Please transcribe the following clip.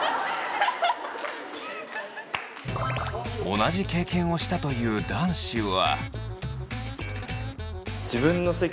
同じ経験をしたという男子は。